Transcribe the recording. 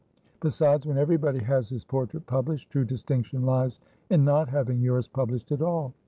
Besides, when every body has his portrait published, true distinction lies in not having yours published at all.